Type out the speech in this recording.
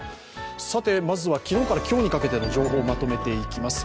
さて、まずは昨日から今日にかけての情報、まとめていきます。